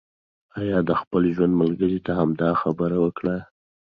ایلي د خپل ژوند ملګری ته همدا خبره وکړه.